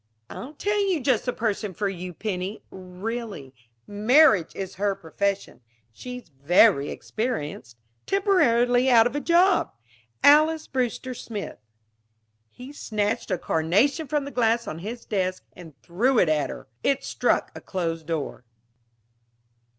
"I'll tell you just the person for you, Penny. Really. Marriage is her profession. She's very experienced. Temporarily out of a job Alys Brewster Smith." He snatched a carnation from the glass on his desk and threw it at her. It struck a closed door.